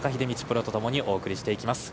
プロとともにお送りしていきます。